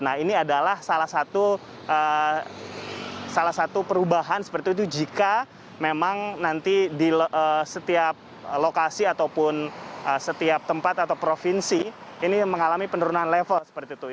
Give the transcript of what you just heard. nah ini adalah salah satu perubahan seperti itu jika memang nanti di setiap lokasi ataupun setiap tempat atau provinsi ini mengalami penurunan level seperti itu